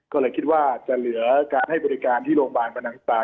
ก็เลยคิดว่าจะเหลือการให้บริการที่โรงพยาบาลพนังสตา